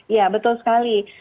ya betul sekali